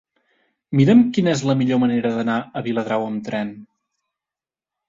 Mira'm quina és la millor manera d'anar a Viladrau amb tren.